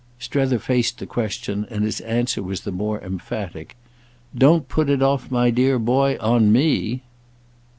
Strether faced the question, and his answer was the more emphatic. "Don't put it off, my dear boy, on _me!